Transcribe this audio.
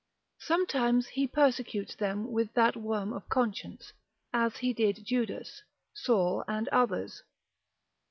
Sometimes he persecutes them with that worm of conscience, as he did Judas, Saul, and others.